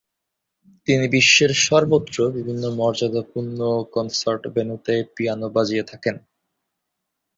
তিনি বিশ্বের সর্বত্র বিভিন্ন মর্যাদাপূর্ণ কনসার্ট ভেন্যুতে পিয়ানো বাজিয়ে থাকেন।